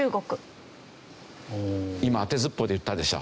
今当てずっぽうで言ったでしょ？